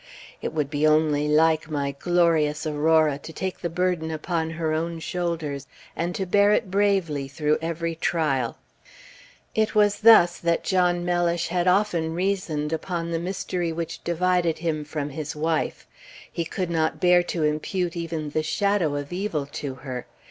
It would be only like my glorious Aurora to take the burden upon her own shoulders, and to bear it bravely through every trial." It was thus that John Mellish had often reasoned upon the mystery which divided him from his wife. He could not bear to impute even the shadow of evil to her.